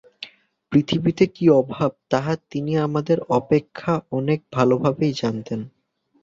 পৃথিবীতে কি-অভাব, তাহা তিনি আমাদের অপেক্ষা অনেক ভালভাবেই জানেন।